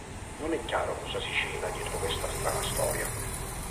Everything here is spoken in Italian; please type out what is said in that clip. Non è chiaro cosa si cela dietro questa strana storia.